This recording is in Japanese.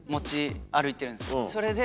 それで。